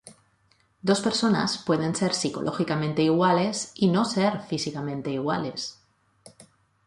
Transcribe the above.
Dos personas pueden ser psicológicamente iguales y no ser físicamente iguales.